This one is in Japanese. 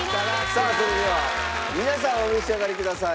さあそれでは皆さんお召し上がりください。